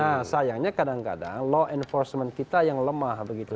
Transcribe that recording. nah sayangnya kadang kadang law enforcement kita yang lemah begitu